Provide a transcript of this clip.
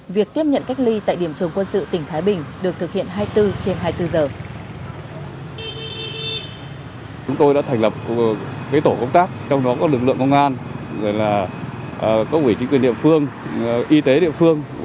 việc tiếp nhận cách ly tại điểm trường quân sự tỉnh thái bình được thực hiện hai mươi bốn trên hai mươi bốn giờ